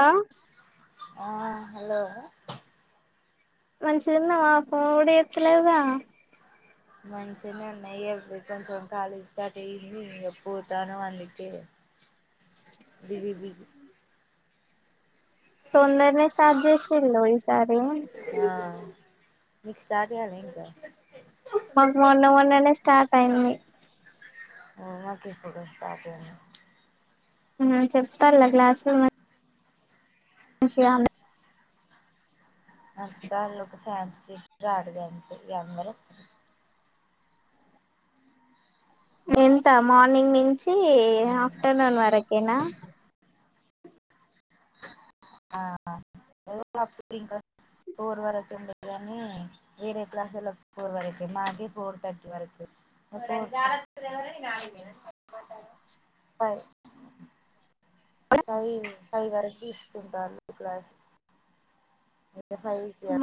ఆ ఆ హలో మంచి గున్నావా ఫోను గుడా చెత్తలేవుగా మంచిగానే ఉన్న ఇయ్యల్ రేప్ కొంచెం కాలేజ్ స్టార్ట్ అయ్యింది ఇగ పోతానం అందుకే [inaudible] బిది బి తొందర్నే స్టార్ట్ చేసిళ్ళు ఈసారి ఆ మీక్ స్టార్ట్ కాలే ఇంకా మాకు మొన్న మొన్ననే స్టార్ట్ అయ్యింది ఊహ కిప్పుడు స్టార్ట్ ఏమన్నా చెప్తాల్లా క్లాసులో మారి [unintelligible] చెప్తాళ్ళు ఒక సన్స్క్రిట్ [unintelligible] ఎంత మార్నింగ్ నించి ఆఫ్టర్నూన్ వరకేనా [unintelligible] వేరే క్లాసోళ్ళు ఒప్పుకోరు వరకి మాది పోర్ తర్టీ వరకి గాలి వంతలేదని నేను అగిన్నె ఫైవ్ ఫైవ్ వరకి తిసుకుంటాళ్లు క్లాస్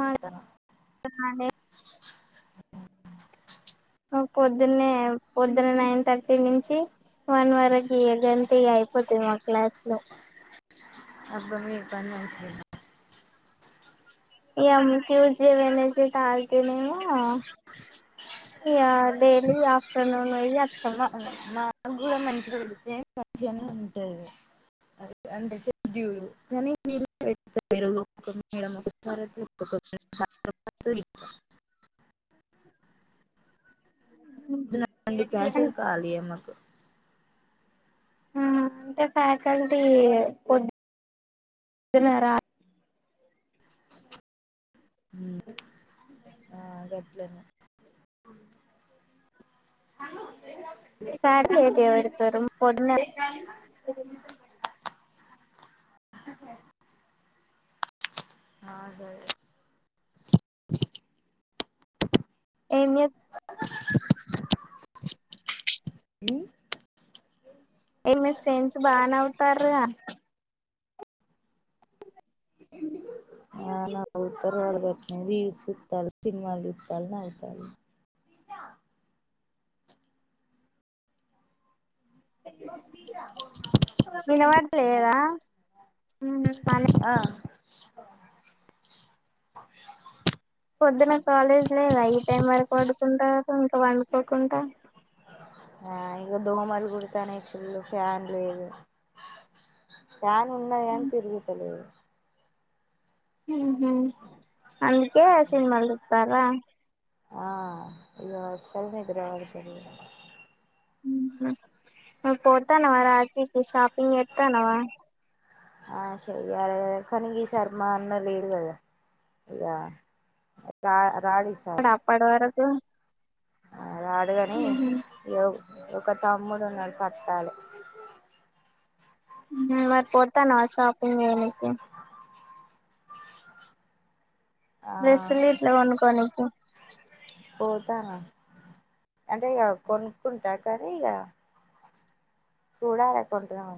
మా [unintelligible] పొద్దున్నే పొద్దున నైన్ థ థర్టీ నుంచి వన్ వరకి గంతె ఇగ అయిపోతది మా క్లాస్ లో [unintelligible] ఇగ తూర్స్ డే వెడ్నెస్డే తాగితే మేము ఇగ డైలీ ఆఫ్టర్నూన్ అయ్య వత్తం మా కుడా మంచిగుంది తిని మంచిగానే ఉంటది అదే అంటే షెడ్యూలు కనీ మీరు [unintelligible] [unintelligible] క్యాన్సిల్ కాల్ని యే మాకు అంటే ఫ్యాకల్టీ పొదున రా హ్మ్ ఆ గట్లనే [unintelligible] ఫాకల్టీ పెడ్తరు పొదున ఆ అదే ఎమ్ చె హ ఏమి ఫ్రెండ్స్ బాగానే వత్తర్రు గా ఢ [unintelligible] రీల్స్ చుత్తరు సినిమాలు చుత్తరు నవ్వుతరు వినబడతలేద హ్మ్ బానే ఆ పొద్దున కాలేజ్ లేద ఈ టైం వరకు పడుకుంటా [unintelligible] ఇంకా పండుకోకుండా ఆ ఇగ దోమలు గుడతానయి ఫుల్లు ఫ్యాన్ లేదు ఫ్యాన్ ఉన్న గాని తిరుగుతలేదు హ్మ్ హు అందుకే సినిమాలు చూత్తర్రా ఆ ఇగ అసల్ నిద్ర పడతలేదు పోతానవా రాఖీ కి షాపింగ్ చేత్తనవా ఆ చెయ్యాలి కదా కని ఈసారి మా అన్న లేడు కదా యా రా రాడి డ అప్పడ వరకు అ రాడుగాని ఒక తమ్ముడు ఉన్నాడు కట్టాలి మరి పతానవా షాపింగ్ చేయనికి ఆ డ్రెస్లు ఇట్ల కొన్నుకొనికి పోతాను అంటే ఇగ కొనుక్కుంటా కని ఇగ చూడాలి కొంటనెమో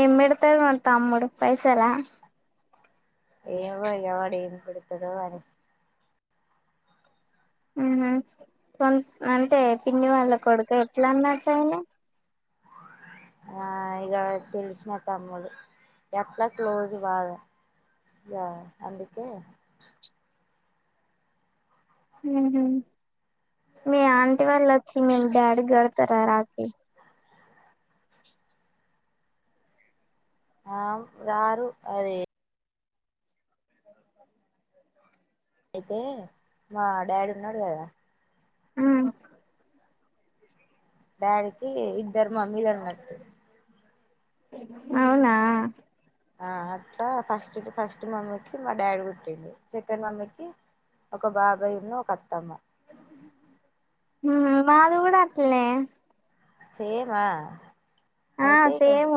ఏం బెడ్తారు మర్ తమ్ముడు పైసల ఎమో ఇగ వాడేం పెడతాడో అని ఉమ్ హు సొంత్ అంటే పిన్ని వాళ్ళ కొడుక ఎట్లా అన్నట్టు అయ్యిండు [unintelligible] ఆ ఇక తెలిసిన తమ్ముడు యట్లా క్లోజ్ బాగా యా అందికే ఉమ్ హు మీ అంటి వాళ్ళు వచ్చి మీ డాడీ కి గడతారా రాఖి అమ్ రారు అదే అయితే మా డాడీ ఉన్నాడు కదా ఉమ్ డాడీకి ఇద్దరు మమ్మీలు అన్నట్టు అవునా ఆ అట్లా ఫస్ట్ ఫస్ట్ మమ్మీకి మా డాడీ పుట్టిండు సెకండ్ మమ్మీకి ఒక బాబాయ్ ను ఒక అత్తమ్మ ఉమ్ హు వాళ్ళు కూడా అట్లే సేమ్ ఆ ఆ అయితే యిగా సేమ్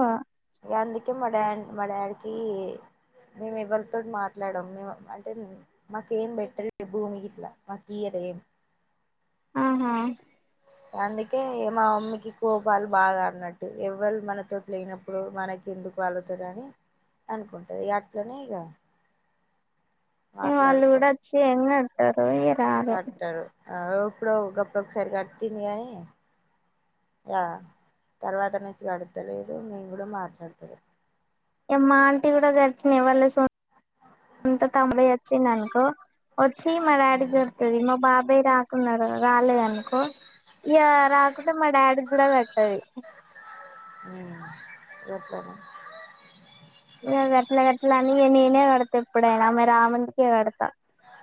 ఇంగందుకే మా డాడ్ మా డాడీకి మేము ఎవరితోటి మాట్లాడము మేము అంటే మాకేం బెటర్ భూమి గిట్లా మా కియార్ ఏం ఆహా అందుకే మా అమ్మకి కోపాలు బాగా అన్నట్టు ఎవ్వరు మనతోటి లేనప్పుడు ఇప్పుడు మనకి ఎందుకు వాళ్ళతోని అని అనుకుంటది అట్లనే ఇక ఇంగ వాళ్ళు కూడా వచ్చి ఎం కడతారు ఇగా రారు ఆ ఎప్పుడో ఒక అక్క ఒకసారి కట్టింది గానీ ఇగ తర్వాత నుంచి గడతలేదు మేము కూడా మాట్లాడతలేము ఇగ మా ఆంటీ కూడా గట్లనే వాళ్ళ సొంత్ సొంత తమ్ముడు వచ్చిండు అనుకో వచ్చి మా డాడీకి ఉమ్ కడుతాది మా బాబాయ్ రాకున్నాడు రాలేదు అనుకో ఇగ రాకుంటే మా డాడీ కూడా కట్టది ఉమ్ గట్లనే ఇగా గట్లా గట్టలా అని నేనే కడతా ఎప్పుడైనా ఆమె రామ్ అంటే నేనే కడతా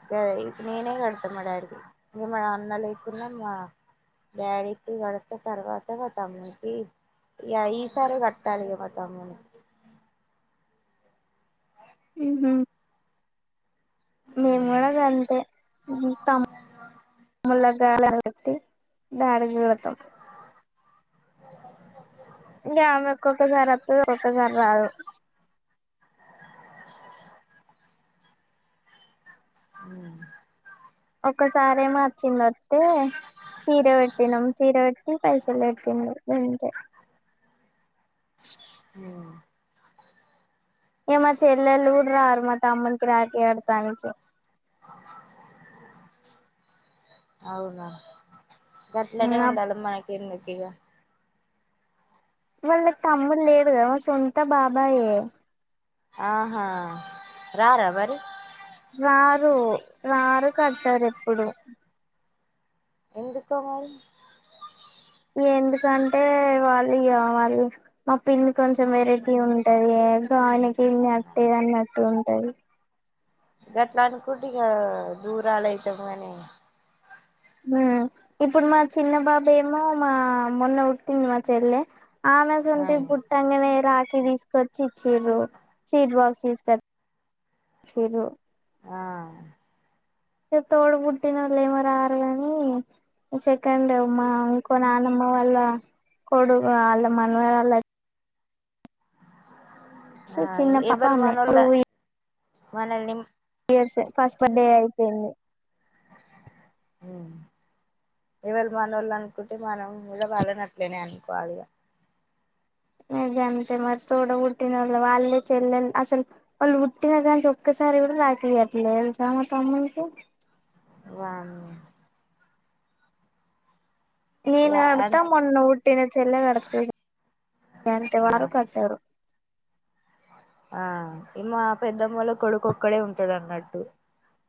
ఇగ ఇంకా నేనే కడతా మా డాడికి ఇంక మా అన్న లేకున్న మా డాడీ కి గడత తర్వాత మా తమ్మునీకి యా ఈసారి కట్టాలి ఇగా మా తమ్మునికి ఉమ్ హు మేము కూడా గంతే ఉమ్ హు తము తమ్ముల [unintelligible] డాడీ గూడ కడతాం [inaudible] ఇంగ ఆమె ఒక్కొక్కసారి వస్తది ఒక్కొక్కసారి రాదు [unintelligible] సౌండ్ హ్ ఒకసారేమో అచ్చింది అత్తే చీర పెట్టినం చీర పె డితే పైసలు లేకుండే గంతే. హ్ ఇగ మాచెల్లెలు కూడా రారు మా తమ్మునికి రాఖీ కడ్తానికి. అవునా గట్లనే ఉండాలె మనకి ఎందుకు ఇగా. వాళ్ళకు తమ్ముడు లేడు కదా మా సొంత బాబాయే. ఆహా రారా మరి. రారు రారు కట్టరు ఎప్పుడు. ఎందుకు మరి. ఎందుకంటే వాళ్ళు ఇగ వాళ్ళు మా పిన్నీ కొంచెం వెరైటీ ఉంటది గా ఆయనకేం కట్టేది అన్నట్టు ఉంటది. గట్లా అనుకుంటే ఇగ దూరాలయితాం కనీ ఇప్పుడు మా చిన్న బాబాయేమో మా మొన్న పుట్టింది మా చెల్లె ఆమె అసొంటిది పుట్టంగనే రాఖీ తీసుకొచ్చి ఇచ్చింర్రు సీట్ బాక్స్ తీసుకొ చిర్రు. ఆ ఇగ తోడ పుట్టినోళ్ళేమో రారు కానీ సేకండ్ మా ఇంకో నానమ్మ వాళ్ళ కొడుకు వాళ్ళ మనవరాలు అ వచ్చి అయి చిన్న పాప ఎవళ్ ఆమె టూ మనోళ్లే మనల్ని ఇయర్సే ఫస్ట్ బర్డే అయిపేయింది. ఎవళు మనోళ్ళు అనుకుంటే మనం కూడా వాళ్ళన్ని అట్లనే అనుకోవాలిగా. ఇగ గంతే మరి తోడ పుట్టినోళ్ళు వాళ్ళే చెల్లెలు అసలు వాళ్ళు పుట్టిన కానుంచి ఒక్కసారి కూడా రాఖీలు కట్టలేదు తెలుసా మా తమ్మునికి. వన్ నేను యా కడతా, అన్ మొన్న పుట్టిన చెల్లె కడతది అంతే ఆ వారు కట్టరు. ఆ ఇ మా పెద్దమ్మోల కొడుకు ఒక్కడే ఉంటడు అన్నట్టు.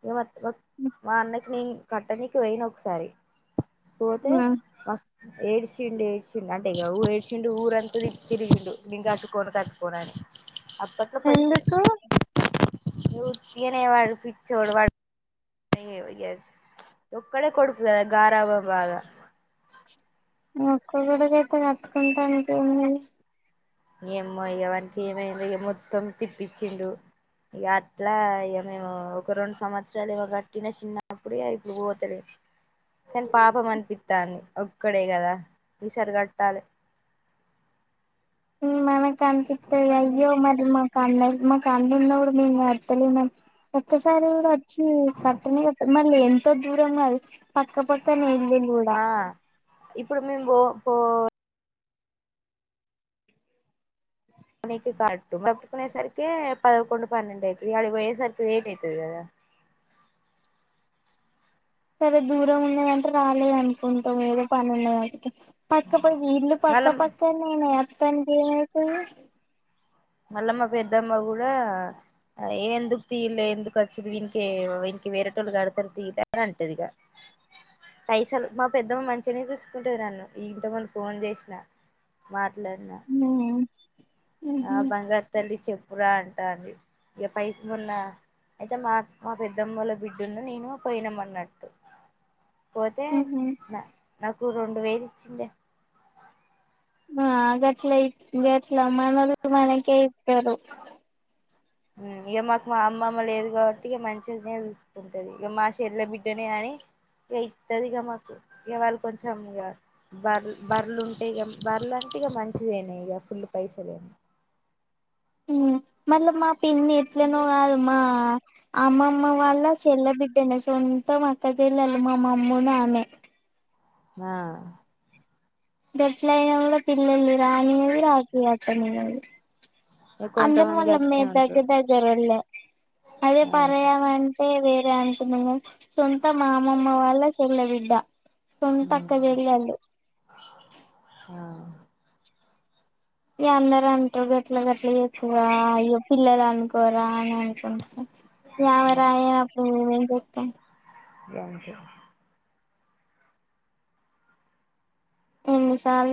ఎవరూ వా మా అన్నకి నేను కట్టనికి పోయిన ఒకసారి. పోతే వస్ ఏడ్సిండు ఏడ్పిండు అంటే ఇగ ఓ ఏడ్చిండు ఊరంతా తిప్పిర్రు ఈళ్ళు నేను కట్టుకోను కట్టుకోనని. అప్పట్ ఎందుకు? ఉత్తిగనే వాడు పిచ్చోడు వాడు ఎమో ఇగ అది. ఒక్కడే కొడుకు కదా గారాబం బాగా. ఒక్క కొడుకైతే కట్టుకుంటానికేంది. ఎమో ఇగ వానికి ఏమైందో ఇగ మొత్తం తిప్పిచ్చిండు. ఇగా అట్లా ఇగ మేము ఒక రెండు సంవత్సరాలు ఏమో కట్టినా చిన్నప్పుడు ఇగ ఇప్పుడు పోతలేను. కానీ పాపం అనిపిత్తాంది ఒక్కడే కదా ఈసారి కట్టాలె. మనకు అనిపిత్తది అయ్యో మరి మాకు అన్న మాకు అన్న ఉన్న కూడ మేం కడ్తలేం అని. ఒక్కసారి కూడ అచ్చీ కట్టనే కట్టరు మళ్ళీ ఎంతో దూరం కాదు పక్కపక్కనే ఇల్లులు కూడా. ఆ ఇప్పుడు మేం పో పో కొనేకి కాటు మెప్పుకొనే సర్కి పదకొండు పన్నెండు అయితది ఇగ ఆడికి పోయేసరికి లేట్ అయితది కదా సరే దూరం ఉన్నా అంటే రాలేదని కొంటం ఏదో పని ఉన్నదని పక్క పక్క నె ఇళ్లు పక్క మళ్ళ పక్క ఈనె అతంటే ఏమైతది మల్లమ్మ పెద్దమ్మ కూడా ఏ ఎందుకు తీయలే ఎందుకు వచ్చుడు వీనికి వీనికి వేరేటోళ్ళు కడతారు తీ ఇగ అని అంటది ఇగ పైసలు మా పెద్దమ్మ మంచినే చూసుకుంటది నన్ను ఇంతకు ముందు ఫోన్ చేసిన మాట్లాడిన ఊ ఆ బంగారు తల్లి చెప్పురా అంటాండి ఇక పైస మోన్నా అయితే మా మా పెద్దమ్మోల్ల బిడ్డన్ను నేను పోయినాం అన్నట్టు పోతే ఉహు నా నాకు రెండు వేలు ఇచ్చింది ఆ గట్ల ఇ గట్ల మనోళ్లు మనకే ఇస్తారు ఊ ఇగ మాకు మా అమ్మమ్మ లేదు కాబట్టి ఇక మంచిగానే చూసు కుంటది ఇక మా చెల్ల బిడ్డనే అని ఇగ ఇతదిగా మాకు ఇక వాళ్ళు కొంచెం ఇగ బర్లు బర్లు ఉంటే ఇగ బర్లు అంటే ఇగ మంచిదేనా ఇగా ఫుల్ పైసలు ఊ మళ్ళ మా పిన్ని ఎట్లనో కాదు మా అమ్మమ్మ వాళ్ళ చెల్ల బిడ్డలే సొంతం అక్క చెల్లలు మా మమ్మివును ఆమె ఆ దెట్లన కూడ పిల్లల్ని రానియది రాఖి కట్టానియది ఇక అందరు కొంతమంది మళ మే గట్నే ఉంటరు దగర్ దగ్గరోలే అదే ఆ పరాయమ అం టే వేరే అంటున కానీ సొంత మామమ్మ వాళ చెల విడ్డ ఉమ్ సొంతక్కజెల్లాలు ఆ ఇగ అందరంటురు గట్ల గట్ల ఎక్కువ అయ్యో పిల్లలు అనుకోరా అన్ అని కొంచం ఇగ ఆమె రానేయనపుడు ఏం చేస్తాం గంతే ఎన్ని సార్లు